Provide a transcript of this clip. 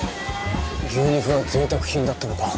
牛肉は贅沢品だったのか。